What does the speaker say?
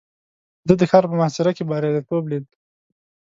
ده د ښار په محاصره کې برياليتوب ليد.